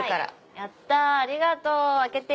やった。